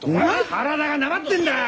体がなまってんだよ！